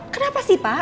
kenapa sih pak